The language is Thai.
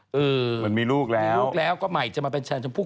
เหมือนมีลูกแล้วก็ใหม่จะมาแทนชมพู่